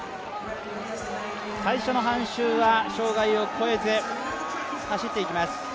最初の半周は障害を越えず走って行きます。